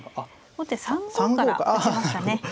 後手３五から打ちましたね。